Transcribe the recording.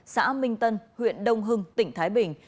xã minh tân huyện đông hưng tỉnh thái bình